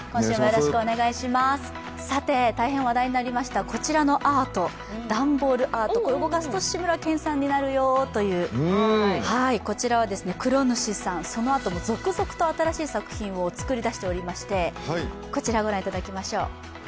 さて、大変話題になりましたこちらのアート、段ボールアート、これ、動かすと志村けんさんになるよというこの方そのあとも続々と新しい作品を作り出しておりまして、こちら、ご覧いただきましょう。